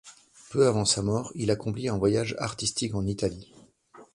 Peu avant sa mort, il accomplit un voyage artistique en Italie.